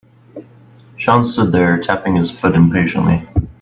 Sean stood there tapping his foot impatiently.